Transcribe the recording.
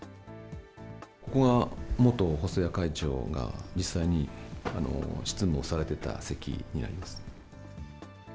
ここが元細谷会長が実際に執務をされてた席になります。